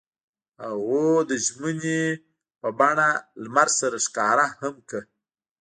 هغوی د ژمنې په بڼه لمر سره ښکاره هم کړه.